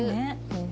うん。